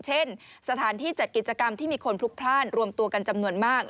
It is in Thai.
เช่นสถานที่จัดกิจกรรมที่มีคนพลุกพลาดรวมตัวกันจำนวนมาก